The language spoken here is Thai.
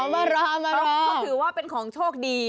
เขาถือว่าเป็นของโชคดี